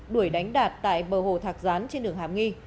đuổi đánh đạt tại bờ hồ thạc gián trên đường hạm nghi